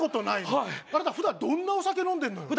はい普段どんなお酒飲んでんのよ